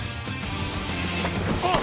あっ！